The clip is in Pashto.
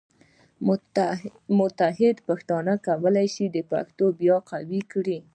متحد پښتانه کولی شي پښتو بیا قوي کړي.